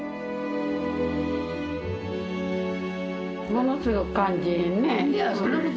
ものすごく感じええね。